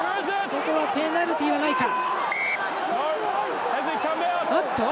ここはペナルティがないか。